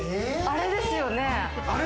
あれですよね。